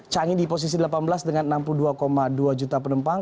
canggih di posisi delapan belas dengan enam puluh dua dua juta penumpang